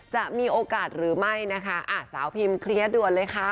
จะมีโอกาสหรือไม่นะคะสาวพิมเคลียร์ด่วนเลยค่ะ